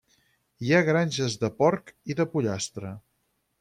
Hi ha granges de porc i de pollastre.